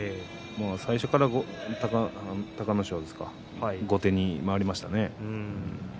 最初から隆の勝ですか後手に回りましたね。